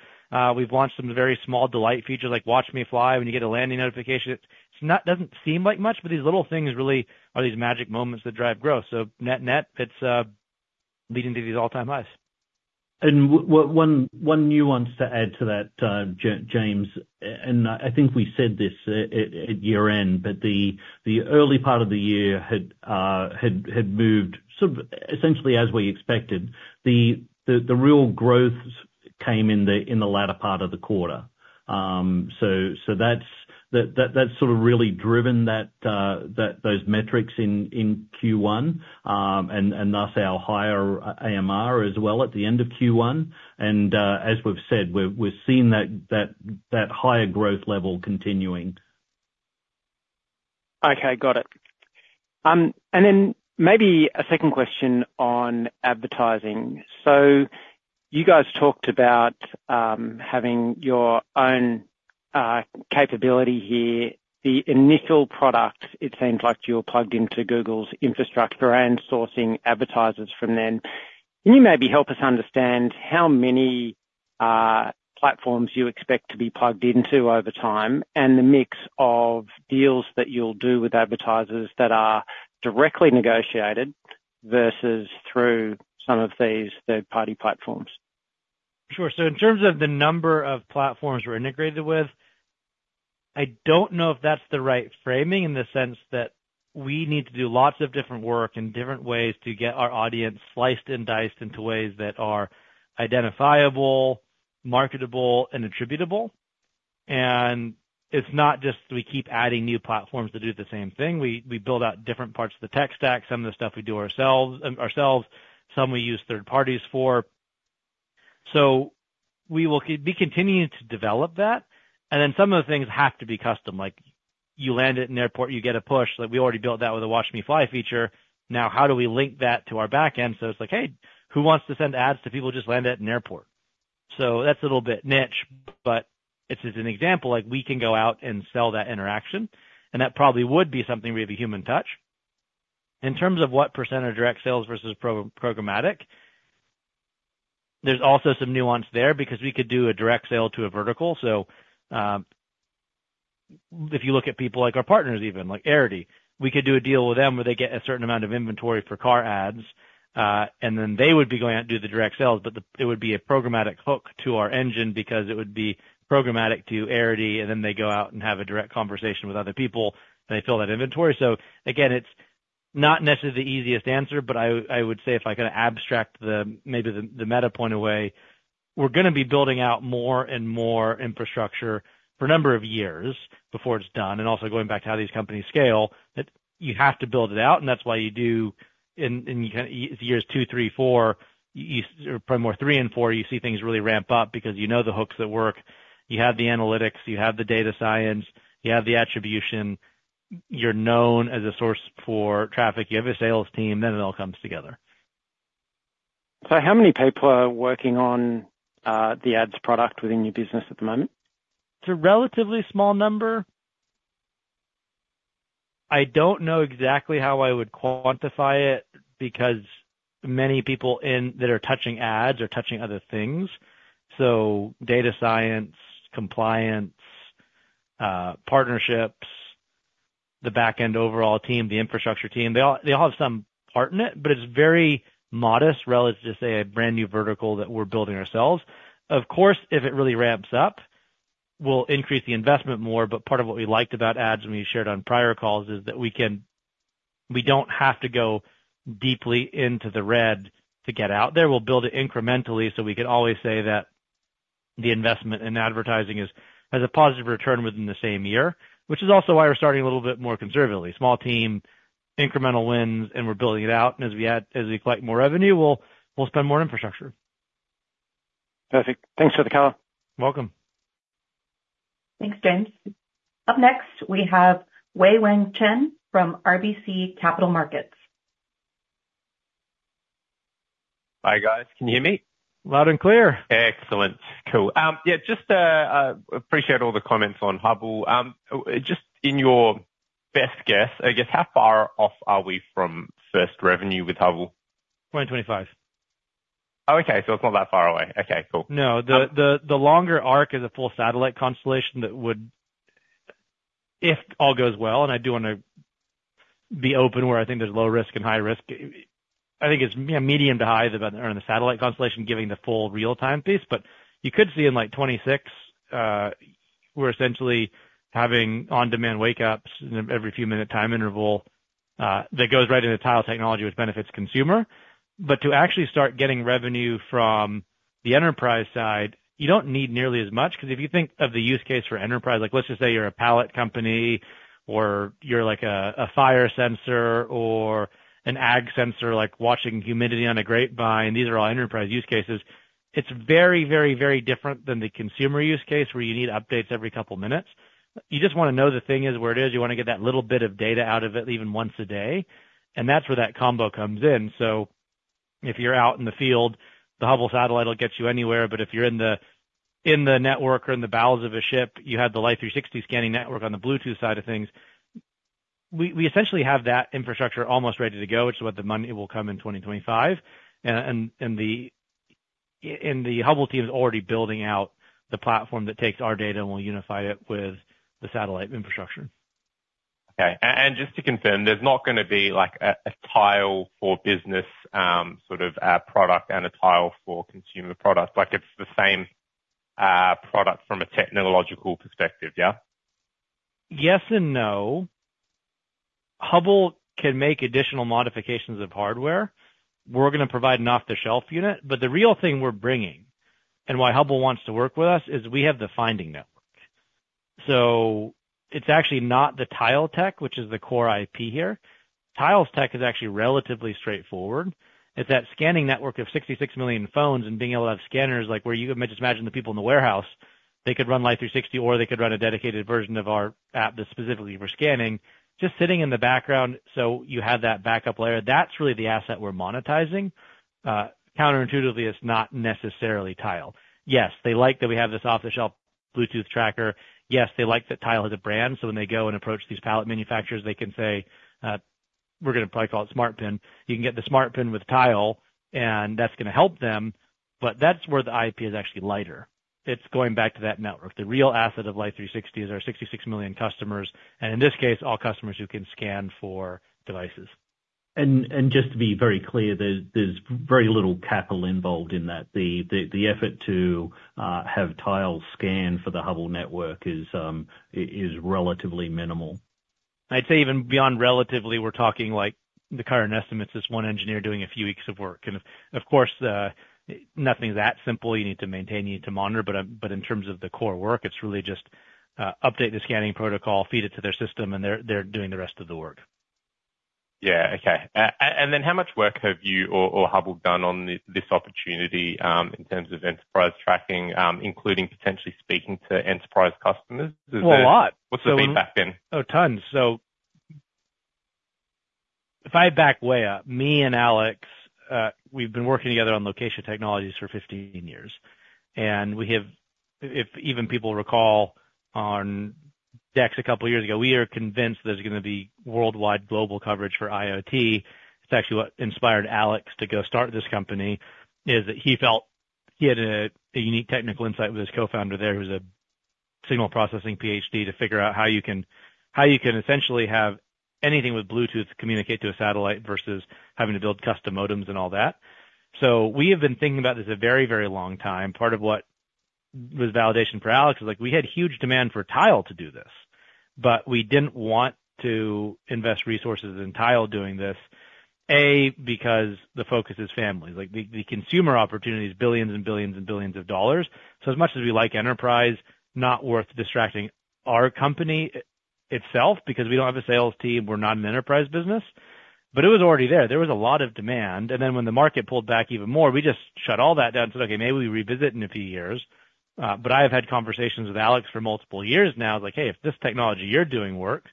We've launched some very small delight features like Watch Me Fly, when you get a landing notification. It doesn't seem like much, but these little things really are these magic moments that drive growth. So net, net, it's leading to these all-time highs. And one nuance to add to that, James, and I think we said this at year-end, but the early part of the year had moved sort of essentially as we expected. The real growth came in the latter part of the quarter. So that's sort of really driven those metrics in Q1, and thus our higher AMR as well at the end of Q1. And as we've said, we've seen that higher growth level continuing. Okay, got it. And then maybe a second question on advertising. So you guys talked about having your own capability here. The initial product, it seems like you're plugged into Google's infrastructure and sourcing advertisers from them. Can you maybe help us understand how many platforms you expect to be plugged into over time, and the mix of deals that you'll do with advertisers that are directly negotiated versus through some of these third-party platforms? Sure. So in terms of the number of platforms we're integrated with, I don't know if that's the right framing, in the sense that we need to do lots of different work in different ways to get our audience sliced and diced into ways that are identifiable, marketable, and attributable. And it's not just we keep adding new platforms to do the same thing. We build out different parts of the tech stack. Some of the stuff we do ourselves, some we use third parties for. So we will be continuing to develop that, and then some of the things have to be custom, like you land at an airport, you get a push. Like, we already built that with the Watch Me Fly feature. Now, how do we link that to our back end so it's like: "Hey, who wants to send ads to people who just landed at an airport?" So that's a little bit niche, but it's just an example, like, we can go out and sell that interaction, and that probably would be something we have a human touch. In terms of what percentage of direct sales versus programmatic, there's also some nuance there because we could do a direct sale to a vertical. So, if you look at people like our partners, even, like Arity, we could do a deal with them where they get a certain amount of inventory for car ads, and then they would be going out and do the direct sales, but the... It would be a programmatic hook to our engine because it would be programmatic to Arity, and then they go out and have a direct conversation with other people, and they fill that inventory. So again, it's not necessarily the easiest answer, but I would say if I can abstract the meta point away, we're gonna be building out more and more infrastructure for a number of years before it's done. And also going back to how these companies scale, that you have to build it out, and that's why you do. In years two, three, four, you probably more three and four, you see things really ramp up because you know the hooks that work, you have the analytics, you have the data science, you have the attribution. You're known as a source for traffic, you have a sales team, then it all comes together. So how many people are working on the ads product within your business at the moment? It's a relatively small number. I don't know exactly how I would quantify it, because many people in that are touching ads are touching other things. So data science, compliance, partnerships, the back end overall team, the infrastructure team, they all, they all have some part in it, but it's very modest relative to, say, a brand new vertical that we're building ourselves. Of course, if it really ramps up, we'll increase the investment more. But part of what we liked about ads, and we shared on prior calls, is that we can, we don't have to go deeply into the red to get out there. We'll build it incrementally, so we can always say that the investment in advertising is, has a positive return within the same year, which is also why we're starting a little bit more conservatively. Small team, incremental wins, and we're building it out, and as we add, as we collect more revenue, we'll spend more on infrastructure. Perfect. Thanks for the call. Welcome. Thanks, James. Up next, we have Wei-Weng Chen from RBC Capital Markets. Hi, guys. Can you hear me? Loud and clear. Excellent. Cool. Yeah, just appreciate all the comments on Hubble. Just in your best guess, I guess, how far off are we from first revenue with Hubble? 2025. Oh, okay. So it's not that far away. Okay, cool. No, the longer arc is a full satellite constellation that would... If all goes well, and I do want to be open where I think there's low risk and high risk, I think it's, yeah, medium to high on the satellite constellation, giving the full real-time piece. But you could see in, like, 2026, we're essentially having on-demand wake ups every few minute time interval, that goes right into the Tile technology, which benefits consumer. But to actually start getting revenue from the enterprise side, you don't need nearly as much, because if you think of the use case for enterprise, like, let's just say you're a pallet company or you're like a fire sensor or an ag sensor, like watching humidity on a grapevine, these are all enterprise use cases, it's very, very, very different than the consumer use case, where you need updates every couple minutes. You just want to know the thing is where it is. You want to get that little bit of data out of it, even once a day, and that's where that combo comes in. So if you're out in the field, the Hubble satellite will get you anywhere, but if you're in the network or in the bowels of a ship, you have the Life360 scanning network on the Bluetooth side of things. We essentially have that infrastructure almost ready to go, which is what the money will come in 2025. And the Hubble team is already building out the platform that takes our data, and we'll unify it with the satellite infrastructure. Okay. And just to confirm, there's not gonna be, like, a Tile for business, sort of, product and a Tile for consumer product? Like, it's the same product from a technological perspective, yeah? Yes and no. Hubble can make additional modifications of hardware. We're gonna provide an off-the-shelf unit, but the real thing we're bringing, and why Hubble wants to work with us, is we have the finding network. So it's actually not the Tile tech, which is the core IP here. Tile's tech is actually relatively straightforward. It's that scanning network of 66 million phones and being able to have scanners like where you can just imagine the people in the warehouse, they could run Life360, or they could run a dedicated version of our app that's specifically for scanning, just sitting in the background so you have that backup layer. That's really the asset we're monetizing. Counterintuitively, it's not necessarily Tile. Yes, they like that we have this off-the-shelf Bluetooth tracker. Yes, they like that Tile has a brand, so when they go and approach these pallet manufacturers, they can say, we're gonna probably call it Smart Pin. You can get the Smart Pin with Tile, and that's gonna help them, but that's where the IP is actually lighter. It's going back to that network. The real asset of Life360 is our 66 million customers, and in this case, all customers who can scan for devices. Just to be very clear, there's very little capital involved in that. The effort to have Tiles scan for the Hubble Network is relatively minimal. I'd say even beyond relatively, we're talking, like, the current estimate is this one engineer doing a few weeks of work. Of course, nothing's that simple. You need to maintain, you need to monitor, but in terms of the core work, it's really just update the scanning protocol, feed it to their system, and they're doing the rest of the work. Yeah. Okay. And then how much work have you or Hubble done on this opportunity, in terms of enterprise tracking, including potentially speaking to enterprise customers? Well, a lot. What's the feedback been? Oh, tons. So if I back way up, me and Alex, we've been working together on location technologies for 15 years, and we have... If even people recall in decks a couple of years ago, we are convinced there's gonna be worldwide global coverage for IoT. It's actually what inspired Alex to go start this company, is that he felt he had a unique technical insight with his co-founder there, who's a signal processing PhD, to figure out how you can, how you can essentially have anything with Bluetooth communicate to a satellite versus having to build custom modems and all that. So we have been thinking about this a very, very long time. Part of what was validation for Alex was, like, we had huge demand for Tile to do this, but we didn't want to invest resources in Tile doing this, A, because the focus is family. Like, the consumer opportunity is billions and billions and billions of dollars. So as much as we like enterprise, not worth distracting our company itself, because we don't have a sales team. We're not an enterprise business.... But it was already there. There was a lot of demand, and then when the market pulled back even more, we just shut all that down and said, "Okay, maybe we revisit in a few years." But I have had conversations with Alex for multiple years now. Like, "Hey, if this technology you're doing work,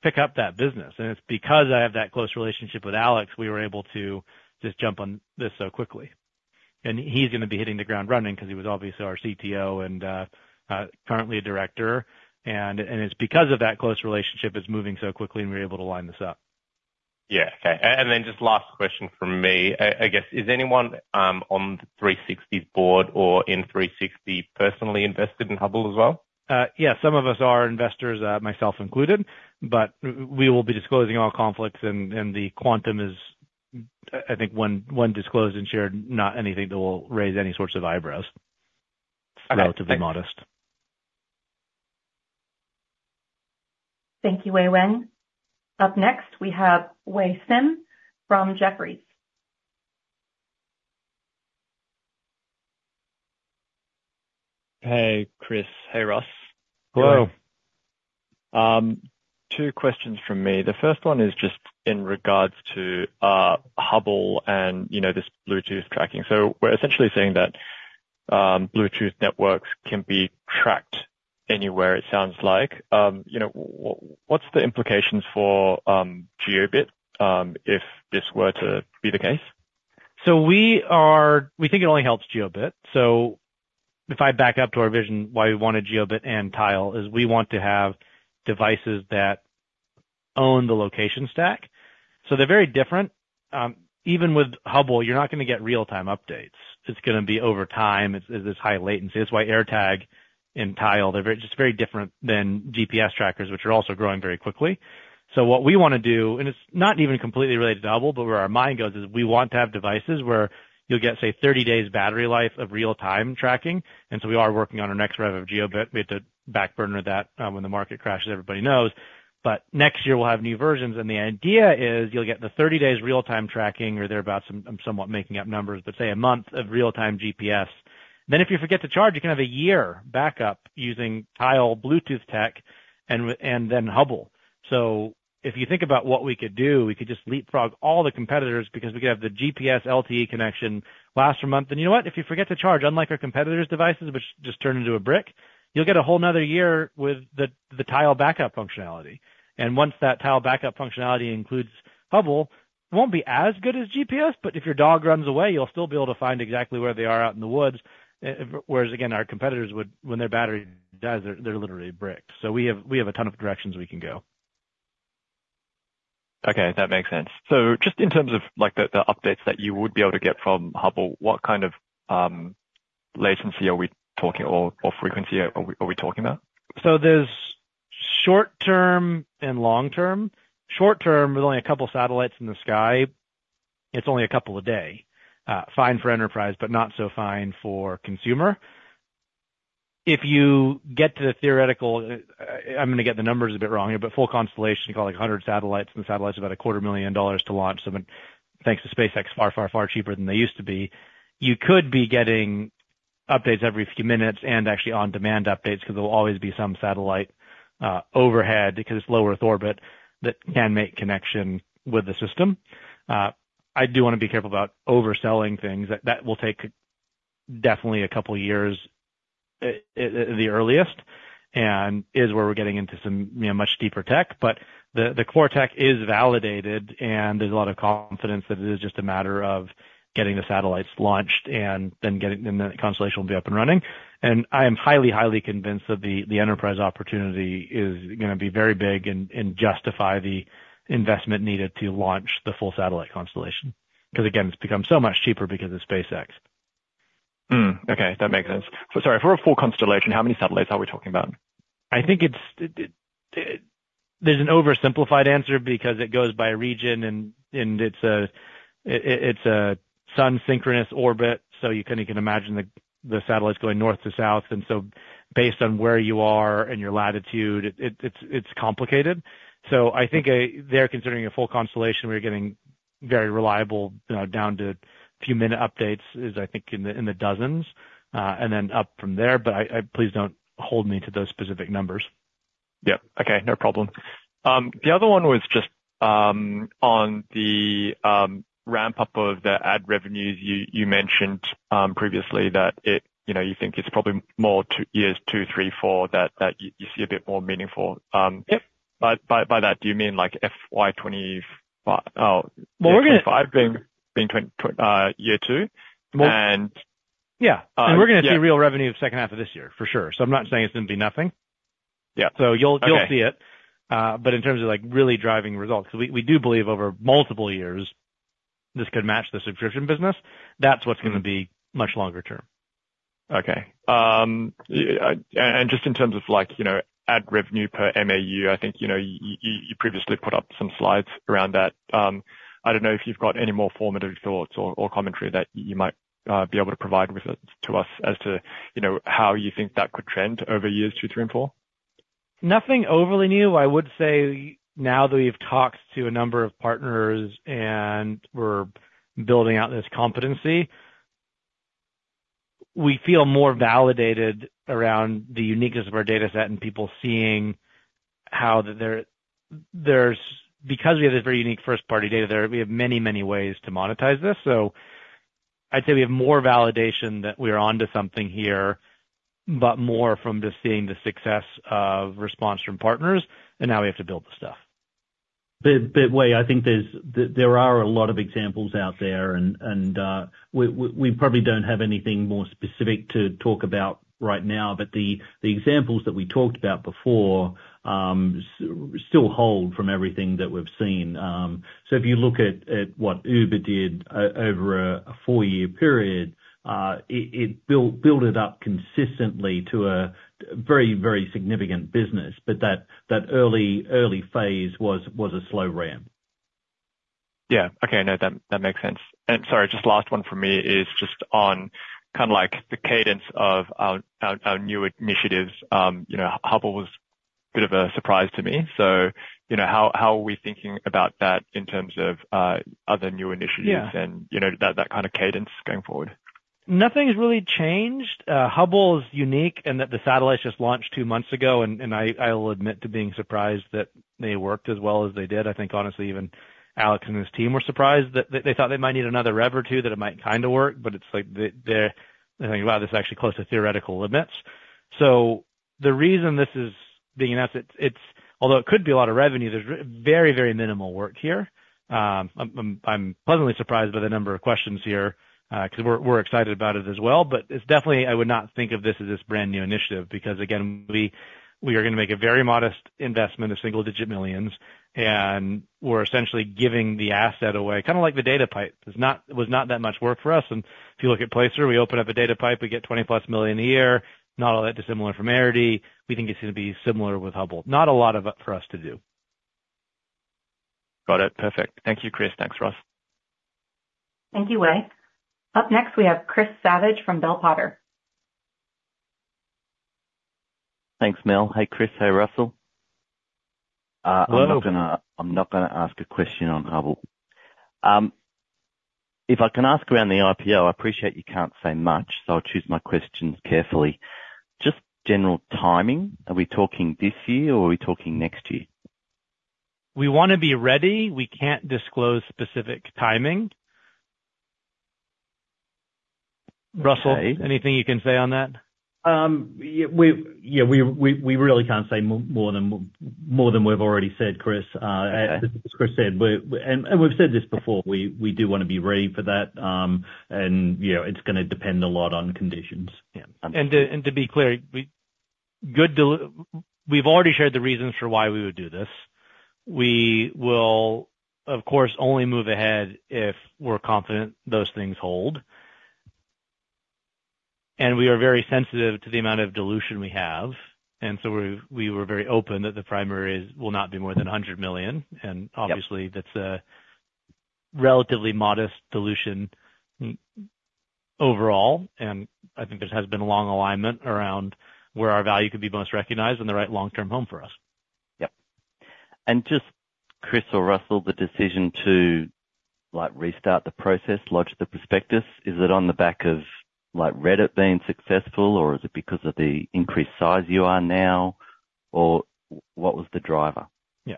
pick up that business." And it's because I have that close relationship with Alex, we were able to just jump on this so quickly. And he's gonna be hitting the ground running because he was obviously our CTO and currently a director. And it's because of that close relationship, it's moving so quickly, and we were able to line this up. Yeah. Okay. And then just last question from me. I guess, is anyone on 360's board or in 360 personally invested in Hubble as well? Yeah, some of us are investors, myself included, but we will be disclosing all conflicts, and the quantum is, I think, when disclosed and shared, not anything that will raise any sorts of eyebrows. Okay. Relatively modest. Thank you, Wei-Weng Chen. Up next, we have Wei Sim from Jefferies. Hey, Chris. Hey, Russ. Hello. Two questions from me. The first one is just in regards to Hubble and, you know, this Bluetooth tracking. So we're essentially saying that Bluetooth networks can be tracked anywhere, it sounds like. You know, what's the implications for GeoBit if this were to be the case? We think it only helps GeoBit. So if I back up to our vision, why we wanted GeoBit and Tile, is we want to have devices that own the location stack. So they're very different. Even with Hubble, you're not gonna get real-time updates. It's gonna be over time. It's this high latency. That's why AirTag and Tile, they're very, just very different than GPS trackers, which are also growing very quickly. So what we wanna do, and it's not even completely related to Hubble, but where our mind goes is, we want to have devices where you'll get, say, 30 days battery life of real-time tracking. And so we are working on our next rev of GeoBit. We had to back burner that, when the market crashes, everybody knows. But next year, we'll have new versions, and the idea is you'll get the 30 days real-time tracking or thereabout. I'm somewhat making up numbers, but say, a month of real-time GPS. Then if you forget to charge, you can have a year backup using Tile Bluetooth tech and then Hubble. So if you think about what we could do, we could just leapfrog all the competitors because we could have the GPS LTE connection last for a month. And you know what? If you forget to charge, unlike our competitors' devices, which just turn into a brick, you'll get a whole another year with the Tile backup functionality. And once that Tile backup functionality includes Hubble, it won't be as good as GPS, but if your dog runs away, you'll still be able to find exactly where they are out in the woods. Whereas, again, our competitors would... When their battery dies, they're literally a brick. So we have a ton of directions we can go. Okay, that makes sense. So just in terms of, like, the updates that you would be able to get from Hubble, what kind of latency are we talking or frequency are we talking about? So there's short term and long term. Short term, there's only a couple of satellites in the sky. It's only a couple a day. Fine for enterprise, but not so fine for consumer. If you get to the theoretical, I'm gonna get the numbers a bit wrong here, but full constellation, you call it 100 satellites, and the satellite's about $250,000 to launch. So then, thanks to SpaceX, far, far, far cheaper than they used to be. You could be getting updates every few minutes and actually on-demand updates, because there'll always be some satellite overhead, because it's low Earth orbit that can make connection with the system. I do wanna be careful about overselling things. That, that will take definitely a couple of years, at the earliest, and is where we're getting into some, you know, much deeper tech. But the core tech is validated, and there's a lot of confidence that it is just a matter of getting the satellites launched and then getting the constellation up and running. And I am highly, highly convinced that the enterprise opportunity is gonna be very big and justify the investment needed to launch the full satellite constellation. Because, again, it's become so much cheaper because of SpaceX. Okay, that makes sense. So sorry, for a full constellation, how many satellites are we talking about? I think it's... There's an oversimplified answer because it goes by region and it's a sun-synchronous orbit, so you kind of can imagine the satellites going north to south. And so based on where you are and your latitude, it's complicated. So I think they're considering a full constellation. We're getting very reliable down to a few-minute updates, I think, in the dozens and then up from there. But I... Please don't hold me to those specific numbers. Yep. Okay, no problem. The other one was just on the ramp-up of the ad revenues. You mentioned previously that it—you know, you think it's probably more two years, two, three, four, that you see a bit more meaningful. Yep. By that, do you mean like FY 20...? Well, we're gonna- five being year two? And- Yeah. Uh, yeah. We're gonna see real revenue the second half of this year, for sure. I'm not saying it's gonna be nothing. Yeah. So you'll- Okay. You'll see it. But in terms of, like, really driving results, we do believe over multiple years, this could match the subscription business. That's what's gonna be much longer term. Okay. And just in terms of like, you know, ad revenue per MAU, I think, you know, you previously put up some slides around that. I don't know if you've got any more formative thoughts or commentary that you might be able to provide with us, to us, as to, you know, how you think that could trend over years two, three, and four. Nothing overly new. I would say now that we've talked to a number of partners and we're building out this competency. We feel more validated around the uniqueness of our data set and people seeing how that, because we have this very unique first party data there, we have many, many ways to monetize this. So I'd say we have more validation that we are onto something here, but more from just seeing the success of response from partners, and now we have to build the stuff. But Wei, I think there are a lot of examples out there, and we probably don't have anything more specific to talk about right now. But the examples that we talked about before still hold from everything that we've seen. So if you look at what Uber did over a four-year period, it built it up consistently to a very significant business. But that early phase was a slow ramp. Yeah. Okay, no, that makes sense. Sorry, just last one for me is just on kinda like the cadence of our new initiatives. You know, Hubble was a bit of a surprise to me, so, you know, how are we thinking about that in terms of other new initiatives- Yeah. and, you know, that, that kind of cadence going forward? Nothing's really changed. Hubble is unique in that the satellites just launched two months ago, and I will admit to being surprised that they worked as well as they did. I think honestly, even Alex and his team were surprised that they thought they might need another rev or two, that it might kind of work, but it's like they're thinking, "Wow, this is actually close to theoretical limits." So the reason this is being asked, although it could be a lot of revenue, there's very, very minimal work here. I'm pleasantly surprised by the number of questions here, 'cause we're excited about it as well. But it's definitely. I would not think of this as this brand new initiative, because again, we are gonna make a very modest investment of $1-$9 million, and we're essentially giving the asset away. Kinda like the data pipe. It's not. It was not that much work for us, and if you look at Placer, we open up a data pipe, we get $20+ million a year. Not all that dissimilar from Arity. We think it's gonna be similar with Hubble. Not a lot of it for us to do. Got it. Perfect. Thank you, Chris. Thanks, Russ. Thank you, Wei. Up next, we have Chris Savage from Bell Potter. Thanks, Mel. Hey, Chris. Hey, Russell. Hello. I'm not gonna, I'm not gonna ask a question on Hubble. If I can ask around the IPO, I appreciate you can't say much, so I'll choose my questions carefully. Just general timing, are we talking this year, or are we talking next year? We wanna be ready. We can't disclose specific timing. Okay. Russell, anything you can say on that? Yeah, we really can't say more than we've already said, Chris. Okay. As Chris said, we're. And we've said this before, we do wanna be ready for that, and you know, it's gonna depend a lot on conditions. Yeah. And to, and to be clear, we've already shared the reasons for why we would do this. We will, of course, only move ahead if we're confident those things hold. And we are very sensitive to the amount of dilution we have, and so we're, we were very open that the primaries will not be more than 100 million. Yep. Obviously, that's a relatively modest dilution overall, and I think there has been a long alignment around where our value could be most recognized and the right long-term home for us. Yep. And just Chris or Russell, the decision to, like, restart the process, lodge the prospectus, is it on the back of, like, Reddit being successful, or is it because of the increased size you are now, or what was the driver? Yeah,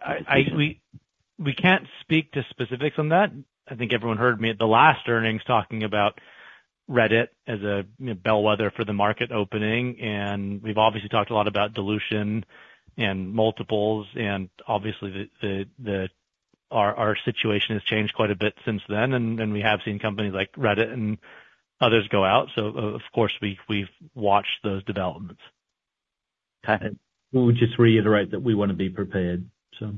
we can't speak to specifics on that. I think everyone heard me at the last earnings talking about Reddit as a, you know, bellwether for the market opening, and we've obviously talked a lot about dilution and multiples, and obviously, our situation has changed quite a bit since then, and we have seen companies like Reddit and others go out, so of course, we've watched those developments. Okay. We would just reiterate that we wanna be prepared, so.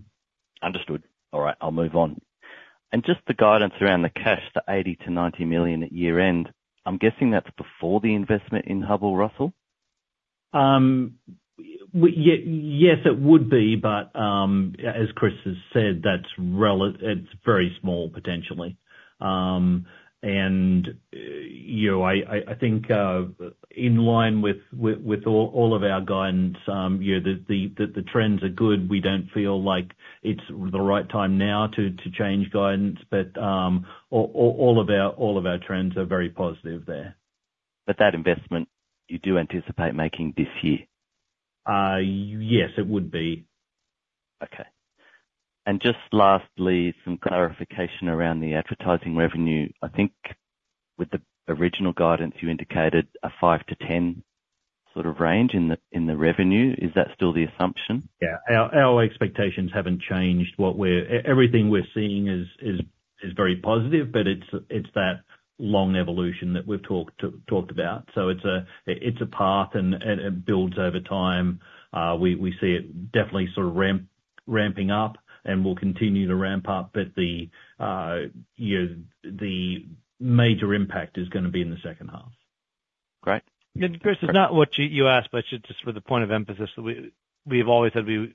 Understood. All right, I'll move on. And just the guidance around the cash, the $80 million-$90 million at year-end, I'm guessing that's before the investment in Hubble, Russell? Yes, it would be, but as Chris has said, that's relatively small, potentially. And you know, I think in line with all of our guidance, you know, the trends are good. We don't feel like it's the right time now to change guidance, but all of our trends are very positive there. But that investment, you do anticipate making this year? Yes, it would be. Okay. And just lastly, some clarification around the advertising revenue. I think with the original guidance, you indicated a 5-10 sort of range in the, in the revenue. Is that still the assumption? Yeah. Our expectations haven't changed. What we're seeing is very positive, but it's that long evolution that we've talked about. So it's a path, and it builds over time. We see it definitely sort of ramping up and will continue to ramp up, but you know, the major impact is gonna be in the second half. Great. Chris, it's not what you asked, but just for the point of emphasis, we've always said we,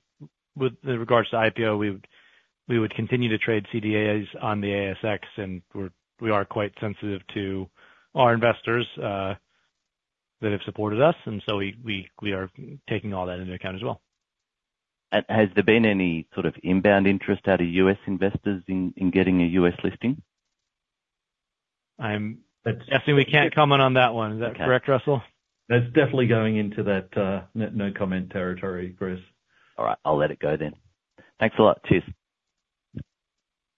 with regards to IPO, we would continue to trade CDIs on the ASX, and we are quite sensitive to our investors that have supported us, and so we are taking all that into account as well. Has there been any sort of inbound interest out of U.S. investors in getting a U.S. listing? Actually, we can't comment on that one. Okay. Is that correct, Russell? That's definitely going into that, no, no comment territory, Chris. All right, I'll let it go then. Thanks a lot. Cheers.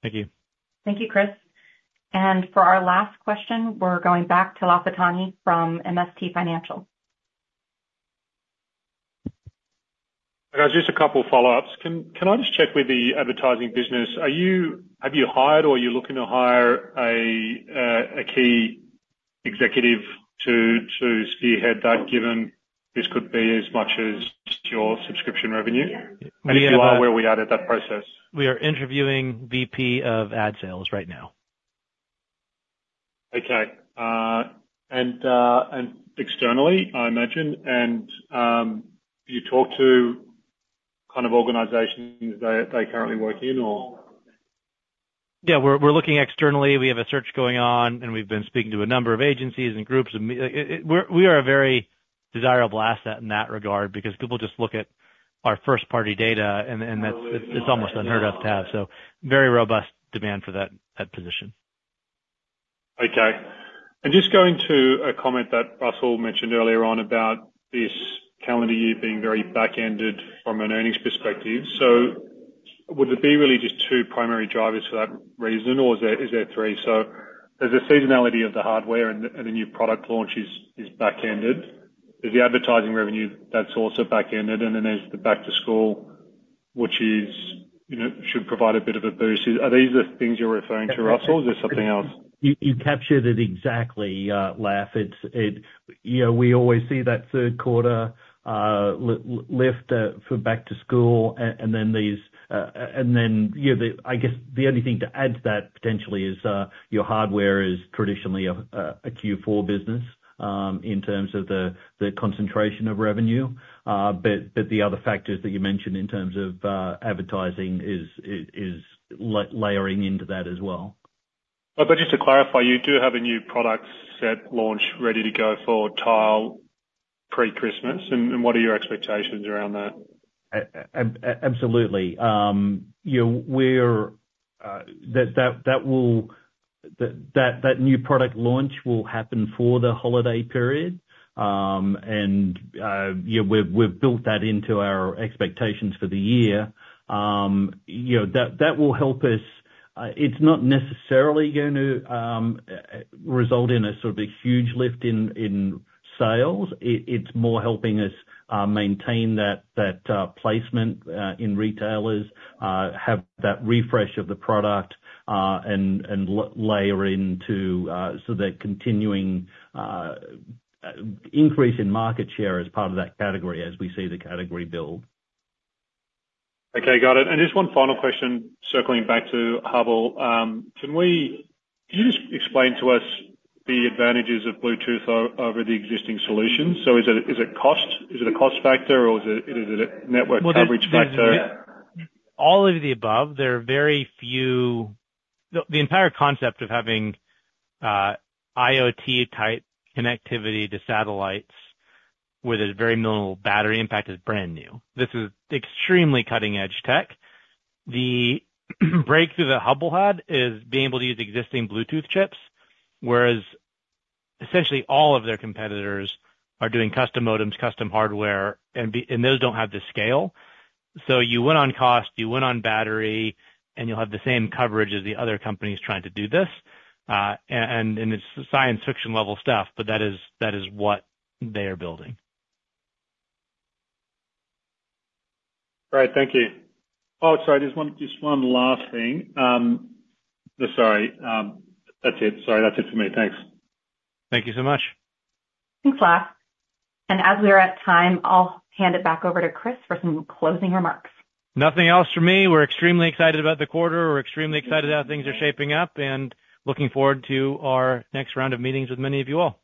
Thank you. Thank you, Chris. For our last question, we're going back to Lafitani from MST Financial. Guys, just a couple follow-ups. Can I just check with the advertising business, have you hired or are you looking to hire a key executive to spearhead that, given this could be as much as your subscription revenue? And if you are, where are we at that process? We are interviewing VP of ad sales right now. Okay. And externally, I imagine, and do you talk to kind of organizations that they currently work in or? Yeah, we're looking externally. We have a search going on, and we've been speaking to a number of agencies and groups. I mean, we're a very desirable asset in that regard because people just look at our first-party data, and that's almost unheard of to have so very robust demand for that position. Okay. And just going to a comment that Russell mentioned earlier on about this calendar year being very back-ended from an earnings perspective. So would there be really just two primary drivers for that reason, or is there, is there three? So there's a seasonality of the hardware and the, and the new product launch is, is back-ended. Is the advertising revenue that's also back-ended, and then there's the back to school, which is, you know, should provide a bit of a boost. Are these the things you're referring to, Russell, or there's something else? You, you captured it exactly, Laff. It's it... You know, we always see that third quarter lift for back to school, and then these, and then, you know, I guess the only thing to add to that potentially is your hardware is traditionally a Q4 business, in terms of the concentration of revenue. But, but the other factors that you mentioned in terms of advertising is layering into that as well. But just to clarify, you do have a new product set launch ready to go for Tile pre-Christmas, and what are your expectations around that? Absolutely. You know, that new product launch will happen for the holiday period. And yeah, we've built that into our expectations for the year. You know, that will help us. It's not necessarily going to result in a sort of a huge lift in sales. It's more helping us maintain that placement in retailers, have that refresh of the product, and layer into so that continuing increase in market share as part of that category, as we see the category build. Okay, got it. Just one final question, circling back to Hubble. Can you just explain to us the advantages of Bluetooth over the existing solutions? So is it cost? Is it a cost factor or is it a network coverage factor? All of the above. There are very few... The entire concept of having IoT-type connectivity to satellites, where there's very minimal battery impact, is brand new. This is extremely cutting-edge tech. The breakthrough that Hubble had is being able to use existing Bluetooth chips, whereas essentially all of their competitors are doing custom modems, custom hardware, and those don't have the scale. So you win on cost, you win on battery, and you'll have the same coverage as the other companies trying to do this. And it's science fiction level stuff, but that is what they are building. All right, thank you. Oh, sorry, just one, just one last thing. Sorry, that's it. Sorry, that's it for me. Thanks. Thank you so much. Thanks, Laf. As we are at time, I'll hand it back over to Chris for some closing remarks. Nothing else from me. We're extremely excited about the quarter. We're extremely excited how things are shaping up and looking forward to our next round of meetings with many of you all.